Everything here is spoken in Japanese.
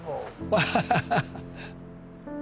アハハハ。